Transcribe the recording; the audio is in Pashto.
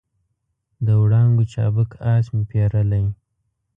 د وړانګو چابک آس مې پیرلی